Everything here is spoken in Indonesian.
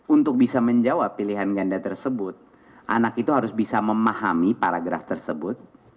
untuk bisa menjawab pilihan ganda tersebut anak itu harus bisa memahami paragraf tersebut